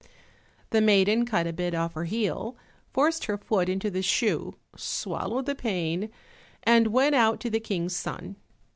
The maiden cut a bit off her heel, forced her foot into the shoe, swallowed the pain, and went out to the King's son.